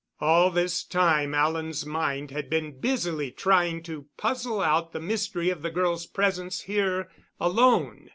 All this time Alan's mind had been busily trying to puzzle out the mystery of the girl's presence here alone.